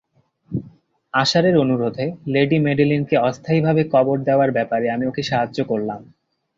আশারের অনুরোধে লেডি মেডেলিনকে অস্থায়ীভাবে কবর দেয়ার ব্যাপারে আমি ওকে সাহায্য করলাম।